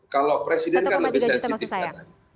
kalau presiden kan bisa citipkan